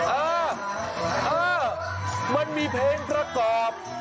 เออเออมันมีเพลงประกอบ